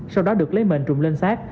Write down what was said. sau đó được lấy mền trụm lên xác